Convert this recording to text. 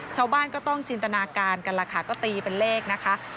ชาวบ้านก็ต้องจินตนาการกันล่ะค่ะก็ตีเป็นเลขนะคะ